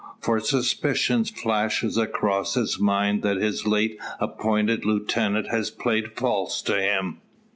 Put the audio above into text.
For a suspicion flashes across his mind, that his late appointed lieutenant has played false to him.